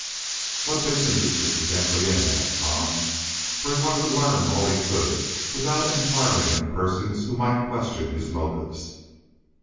"What business is Mr. Bentley in?" asked Tom, for he wanted to learn all he could without inquiring of persons who might question his motives.